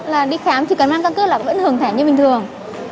là đi khám chỉ cần mang căn cấp là vẫn hưởng thẻ như bình thường